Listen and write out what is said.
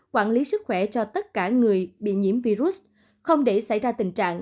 quản lý sức khỏe cho tất cả người bị nhiễm virus không để xảy ra tình trạng